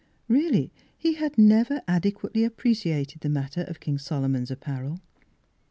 Really, he had never adequately apprecia ted the matter of King Solomon's apparel.